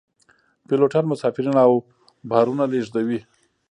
پیلوټان مسافرین او بارونه لیږدوي